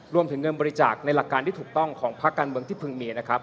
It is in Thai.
เงินบริจาคในหลักการที่ถูกต้องของภาคการเมืองที่พึงมีนะครับ